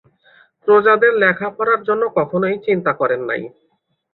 প্রজাদের লেখাপড়ার জন্য কখনই চিন্তা করেন নাই।